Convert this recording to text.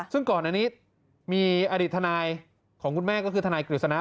ซึ่งก่อนอันนี้มีอดีตทนายของคุณแม่ก็คือทนายกฤษณะ